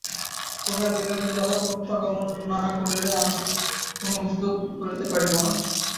কহিয়া দিলেন তুমি তথা হইতে প্রত্যাগমন না করিলে আমি কোন উদ্যোগ করিতে পারিব না।